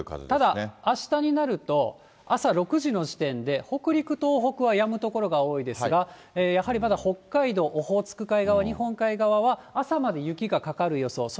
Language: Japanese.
ただ、あしたになると、朝６時の時点で、北陸、東北はやむ所が多いですが、やはりまだ、北海道、オホーツク海側、日本海側は朝まで雪がかかる予想。